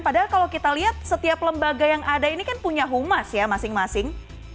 padahal kalau kita lihat setiap lembaga yang ada ini kan punya humas ya masing masing